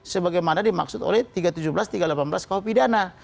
sebagaimana dimaksud oleh tiga ribu tujuh belas tiga ratus delapan belas kau pidana